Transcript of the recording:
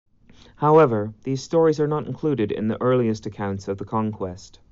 However, these stories are not included in the earliest accounts of the conquest.